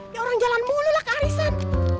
ya orang jalan mulu lah kearisan